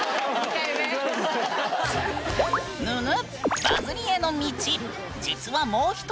ぬぬ！